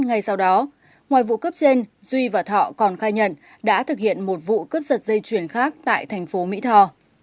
ngay sau đó ngoài vụ cướp trên duy và thọ còn khai nhận đã thực hiện một vụ cướp giật dây chuyền khác tại thành phố mỹ tho